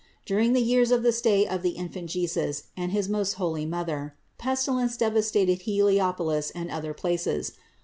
During the years of the stay of the Infant Jesus and his most holy Mother, pestilence devastated Heliopolis and other places.